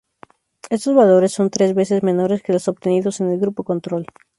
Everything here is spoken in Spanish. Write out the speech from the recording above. Estos valores son tres veces menores que los obtenidos en el grupo control.